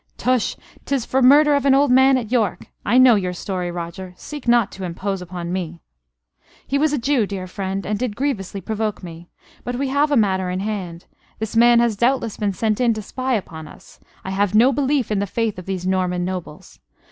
"Tush! 'tis for murder of an old man at York! I know your story, Roger; seek not to impose upon me." "He was a Jew, dear friend, and did grievously provoke me. But we have a matter in hand. This man has doubtless been sent in to spy upon us. I have no belief in the faith of these Norman nobles.